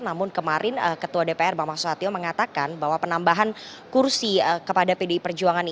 namun kemarin ketua dpr bapak mas soetio mengatakan bahwa penambahan kursi kepada bpkn